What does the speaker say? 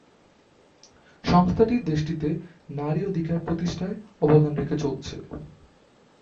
সংস্থাটি দেশটিতে নারী অধিকার প্রতিষ্ঠায় অবদান রেখে চলেছে।